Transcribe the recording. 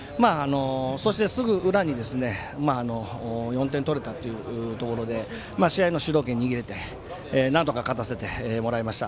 そして、すぐ裏に４点取れたというところで試合の主導権、握れてなんとか勝たせてもらえました。